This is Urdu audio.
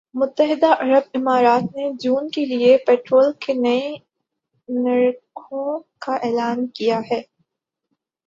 متحدہ عرب امارات نے جون کے لیے پٹرول کے نئے نرخوں کا اعلان کیا ہے